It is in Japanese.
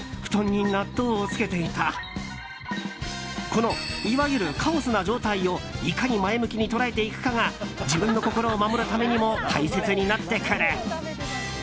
この、いわゆるカオスな状態をいかに前向きに捉えていくかが自分の心を守るためにも大切になってくる。